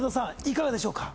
いかがでしょうか？